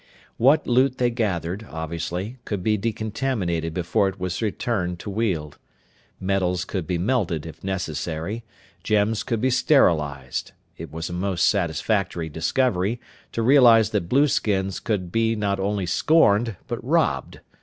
What loot they gathered, obviously, could be decontaminated before it was returned to Weald. Metals could be melted, if necessary. Gems could be sterilized. It was a most satisfactory discovery, to realize that blueskins could be not only scorned but robbed.